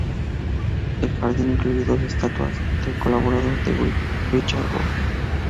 El jardín incluye dos estatuas del colaborador de Wright, Richard Bock.